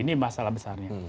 ini masalah besarnya